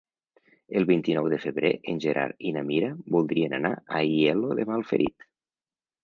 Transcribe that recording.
El vint-i-nou de febrer en Gerard i na Mira voldrien anar a Aielo de Malferit.